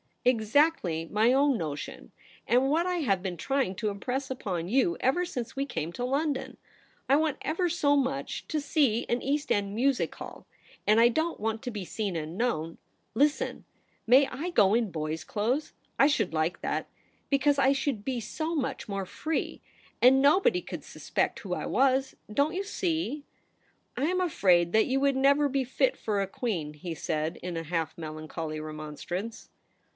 ' Exactly my own notion, and what I have been trying to impress upon you ever since we came to London. I want ever so much to see an East End music hall ; and I don't want to be seen and known. Listen. May I go in boy's clothes ? I should like that, because I should be so much more free ; and THE PRINCESS AT HOME. 173 nobody could suspect who I was — don't you see ?'* I am afraid that you would never be fit for a queen,' he said, in a half melancholy remonstrance.